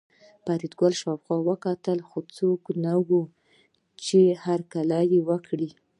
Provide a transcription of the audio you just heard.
فریدګل شاوخوا کتل خو څوک نه وو چې هرکلی یې وکړي